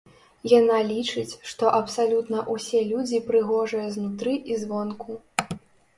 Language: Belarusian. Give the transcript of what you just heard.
Яна лічыць, што абсалютна ўсе людзі прыгожыя знутры і звонку.